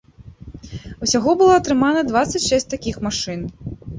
Усяго было атрымана дваццаць шэсць такіх машын.